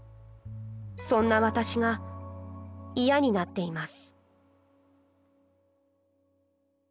そんな私が嫌になっています」。